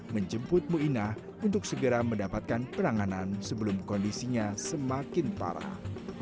menjemput muinah untuk segera mendapatkan penanganan sebelum kondisinya semakin parah